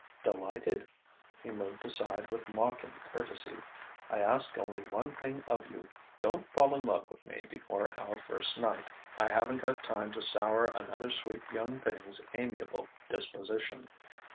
"Delighted." He moved aside with mocking courtesy. "I ask only one thing of you: don't fall in love with me before our first night. I haven't got time to sour another sweet young thing's amiable disposition....